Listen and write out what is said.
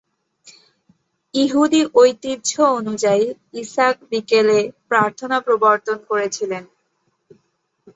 ইহুদি ঐতিহ্য অনুযায়ী, ইসহাক বিকেলে প্রার্থনা প্রবর্তন করেছিলেন।